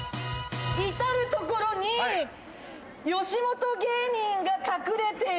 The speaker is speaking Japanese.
至る所に吉本芸人が隠れている。